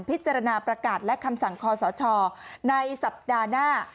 พิจารณาประกาศและคำสั่งคอสชในสัปดาห์หน้า